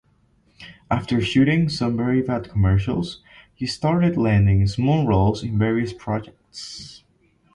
After shooting some very bad commercials, he started landing small roles in various projects.